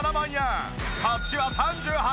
こっちは３８万円以上。